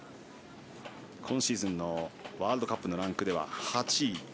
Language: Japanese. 今シーズンのワールドカップのランクでは８位。